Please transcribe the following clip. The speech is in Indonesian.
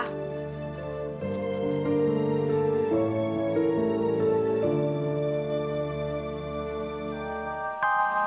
nih makan ya pa